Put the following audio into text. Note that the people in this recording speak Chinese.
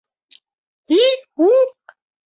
则是食用时把食物蘸进已调味的酱。